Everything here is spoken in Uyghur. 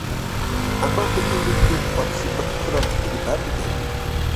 ئەمما بىر يىلدىن كېيىن، ئاتىسى بېقىش خىراجىتىنى بەرمىگەن.